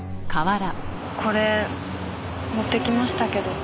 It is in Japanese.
これ持ってきましたけど。